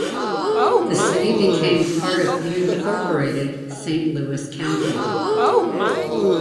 The city became part of unincorporated Saint Louis County.